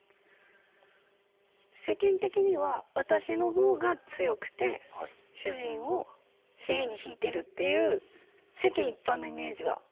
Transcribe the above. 世間的には私のほうが強くて主人を尻に敷いてるっていう世間一般のイメージはほぼそうなんですけど。